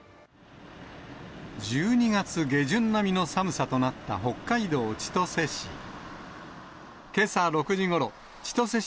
１２月下旬並みの寒さとなった、北海道千歳市。